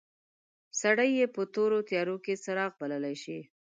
سړی یې په تورو تیارو کې څراغ بللای شي.